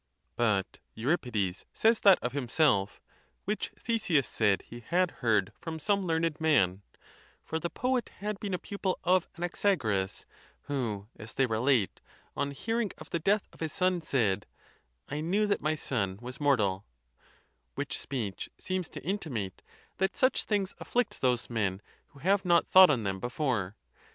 But Euripides says that of himself, which Theseus said he had heard from some learned man, for the poet had been a pupil of Anaxagoras, who, as they relate, on hearing of the death of his son, said, "I knew that my son was mor tal;" which speech seems to intimate that such things afflict those men who have not thought on them before.